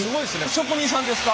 職人さんですか？